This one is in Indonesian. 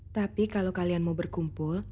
tapi kalau kalian mau berkumpul